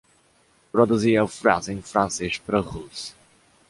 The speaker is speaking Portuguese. Traduzia a frase em francês para russo